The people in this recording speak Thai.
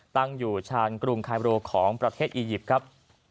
ตั้งอยู่ชานกรุงคายโรของประเทศอียิปต์ครับ